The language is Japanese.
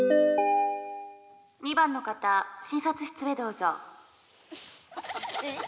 ２番の方診察室へどうぞ。